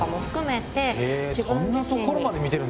へえそんなところまで見てるんですね。